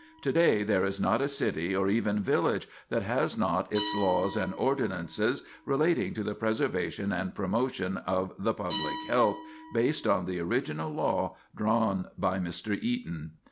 To day there is not a city, or even village, that has not its laws and ordinances relating to the preservation and promotion of the public health based on the original law drawn by Mr. Eaton.